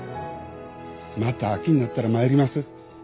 また秋になったら参ります。